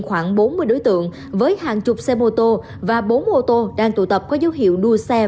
khoảng bốn mươi đối tượng với hàng chục xe mô tô và bốn ô tô đang tụ tập có dấu hiệu đua xe